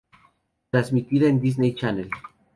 Transmitida en Disney Channel.